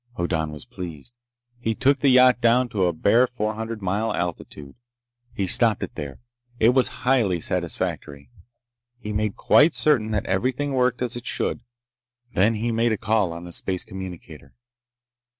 Hoddan was pleased. He took the yacht down to a bare four hundred mile altitude. He stopped it there. It was highly satisfactory. He made quite certain that everything worked as it should. Then he made a call on the space communicator.